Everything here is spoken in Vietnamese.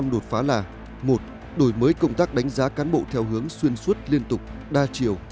năm đột phá là một đổi mới công tác đánh giá cán bộ theo hướng xuyên suốt liên tục đa chiều